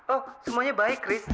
oh semuanya baik kris